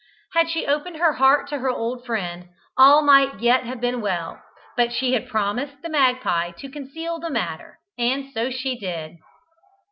Had she opened her heart to her old friend, all might yet have been well, but she had promised the magpie to conceal the matter, and so she did.